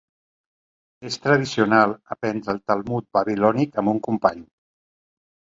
És tradicional aprendre el Talmud babilònic amb un company.